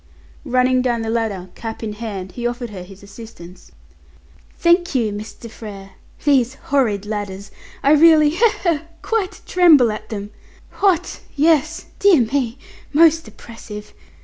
Running down the ladder, cap in hand, he offered her his assistance. "Thank you, Mr. Frere. These horrid ladders. I really he, he quite tremble at them. Hot! Yes, dear me, most oppressive.